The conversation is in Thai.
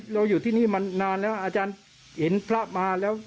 อยู่ที่นี่มานานแล้วอาจารย์เห็นพระมาแล้ว